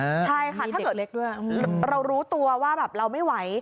ใช่ค่ะถ้าเกิดเรารู้ตัวว่าเราไม่ไหว